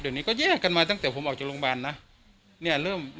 เดี๋ยวนี้ก็แย่กันมาตั้งแต่ผมออกจากโรงพยาบาลนะ